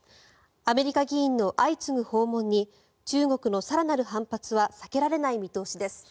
アメリカ議員の相次ぐ訪問に中国の更なる反発は避けられない見通しです。